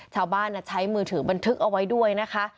ชาวบ้านอะใช้มือถือบันทึกเอาไว้ด้วยนะคะ